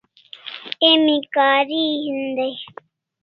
Emi kahari hin dai